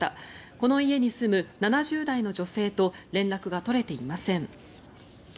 この家に住む７０代の女性と連絡が取れていません。